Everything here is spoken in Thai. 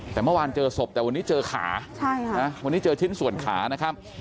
แต่เมื่อวานเจอศพแต่วันนี้เจอขาวันนี้เจอชิ้นส่วนขานะครับ